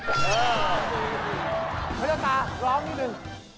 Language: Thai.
เฮ้ยเจ้าตาร้องหน่อยหนึ่ง